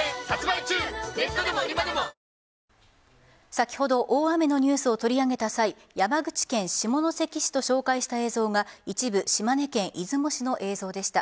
先ほど大雨のニュースを取り上げた際山口県下関市と紹介した映像が一部、島根県出雲市の映像でした。